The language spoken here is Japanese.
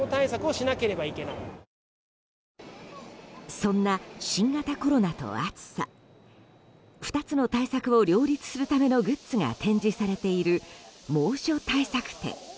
そんな新型コロナと暑さ２つの対策を両立するためのグッズが展示されている、猛暑対策展。